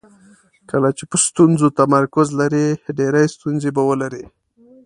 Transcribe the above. کله چې په ستونزو تمرکز لرئ ډېرې ستونزې به ولرئ.